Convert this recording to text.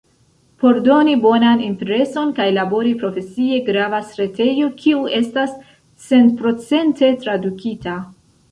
Por doni bonan impreson kaj labori profesie, gravas retejo kiu estas centprocente tradukita.